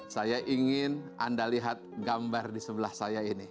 saya ingin anda lihat gambar di sebelah saya ini